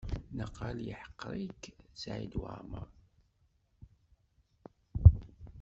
Naqal yeḥqer-ik Saɛid Waɛmaṛ.